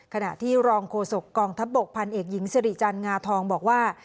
ขณะที่รองโฆษกองทัพบกพันเอกหญิงสิริจันทร์งาทองบอกว่า